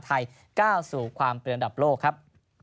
ไทยก้าวสู่ความเปลืองอดับโลกครับ